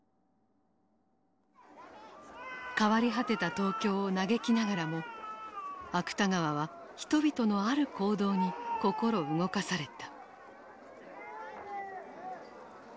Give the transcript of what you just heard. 変わり果てた東京を嘆きながらも芥川は人々のある行動に心動かされた。